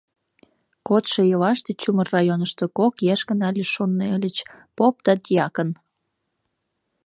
Кодшо ийлаште чумыр районышто кок еш гына лишённый ыльыч: поп да дьякон.